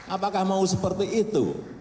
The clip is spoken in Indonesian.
apakah mau seperti itu